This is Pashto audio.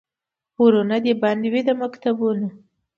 ورونه دي بند وي د مکتبونو